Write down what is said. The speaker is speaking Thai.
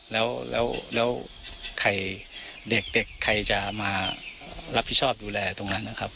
แล้วใครเด็กใครจะมารับผิดชอบดูแลตรงนั้นนะครับ